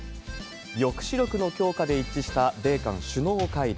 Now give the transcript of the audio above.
抑止力の強化で一致した米韓首脳会談。